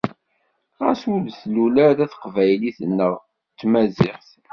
Ɣas ur d-tlul ara d taqbaylit neɣ d tamaziɣt.